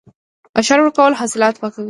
عشر ورکول حاصلات پاکوي.